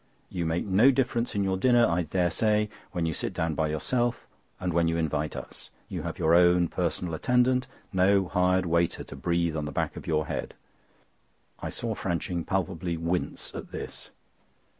You make no difference in your dinner, I dare say, when you sit down by yourself and when you invite us. You have your own personal attendant—no hired waiter to breathe on the back of your head." I saw Franching palpably wince at this.